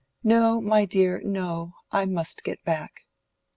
"No, my dear, no. I must get back."